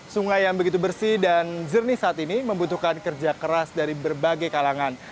sungai yang begitu bersih dan jernih saat ini membutuhkan kerja keras dari berbagai kalangan